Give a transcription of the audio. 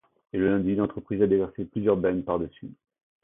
Et le lundi l’entreprise a déversé plusieurs bennes par-dessus.